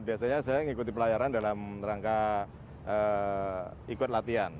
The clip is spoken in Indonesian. biasanya saya mengikuti pelayaran dalam rangka ikut latihan